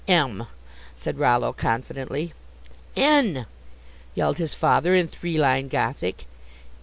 "M," said Rollo, confidently. "N!" yelled his father, in three line Gothic.